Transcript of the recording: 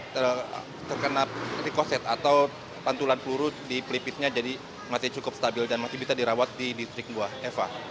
karena terkena rikoset atau pantulan peluru di pelipisnya jadi masih cukup stabil dan masih bisa dirawat di distrik mua eva